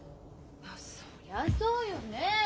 そりゃそうよねえ？